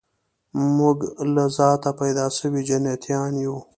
موږ له ذاته پیدا سوي جنتیان یو